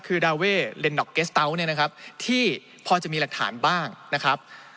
คือดาเว่เลนดอกเกสเตาทเนี่ยนะครับที่พอจะมีหลักฐานบ้างนะครับ